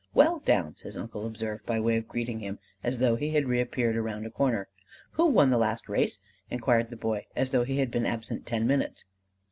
"Well, Downs," his uncle observed by way of greeting him, as though he had reappeared round a corner. "Who won the last race?" inquired the boy as though he had been absent ten minutes.